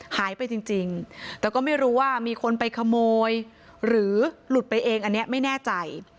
หายไปจริงแต่ก็ไม่รู้ว่ามีคนไปขโมยหรือหลุดไปเองอันนี้ไม่แน่ใจ